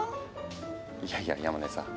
いやいや山根さん